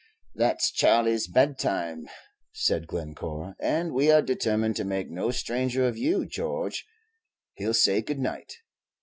"That's Charley's bedtime," said Glencore, "and we are determined to make no stranger of you, George. He 'll say good night."